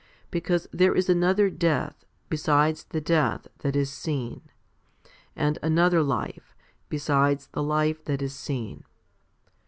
3 Because there is another death besides the death that is seen, and another life besides the life that is seen.